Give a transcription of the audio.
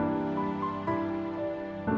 terima kasih ya